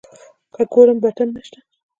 که ګورم بټن نسته.